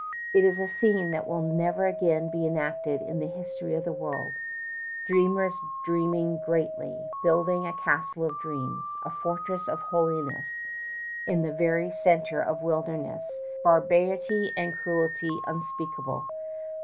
It is a scene that will never again be enacted in the history of the world dreamers dreaming greatly, building a castle of dreams, a fortress of holiness in the very center of wilderness barbarity and cruelty unspeakable.